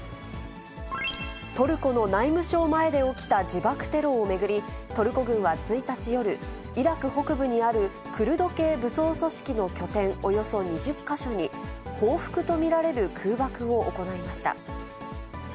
トルコの内務省前で起きた自爆テロを巡り、トルコ軍は１日夜、イラク北部にあるクルド系武装組織の拠点、およそ２０か所に報復と見られる空爆を行いました。